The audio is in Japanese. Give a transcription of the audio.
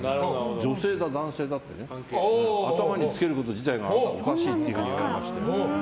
女性だ男性だってね頭につけること自体がおかしいって言われまして。